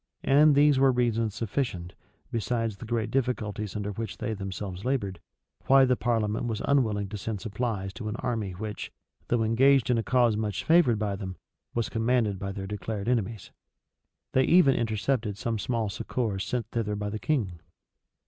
[] And these were reasons sufficient, besides the great difficulties under which they themselves labored, why the parliament was unwilling to send supplies to an army which, though engaged in a cause much favored by them, was commanded by their declared enemies. They even intercepted some small succors sent thither by the king.